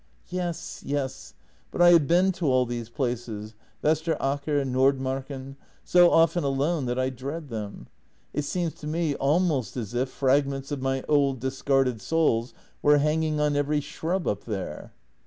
" Yes, yes — but I have been to all these places — Vester Aker, Nordmarken — so often alone that I dread them. It seems to me almost as if fragments of my old discarded souls were hanging on every shrub up there."